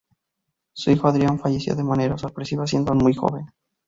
Su hijo Adrián falleció de manera sorpresiva siendo aún muy joven.